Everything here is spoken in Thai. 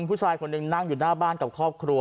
ผู้ชายคนหนึ่งนั่งอยู่หน้าบ้านกับครอบครัว